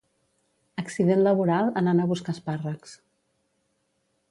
Accident laboral anant a buscar espàrrecs